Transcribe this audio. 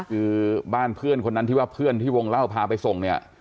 คือบ้านเพื่อนคนนั้นที่ว่าเพื่อนที่วงเล่าพาไปส่งเนี่ย